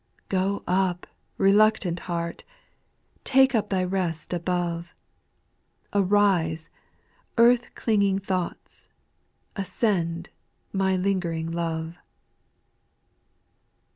5. Go up, reluctant heart. Take up thy rest above ; Arise, earth clinging thoughts ; Ascend, my lingering love.